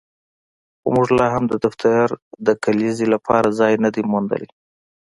خو موږ لاهم د دفتر د کلیزې لپاره ځای نه دی موندلی